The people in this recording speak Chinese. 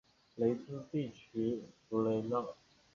雷茨地区弗雷奈。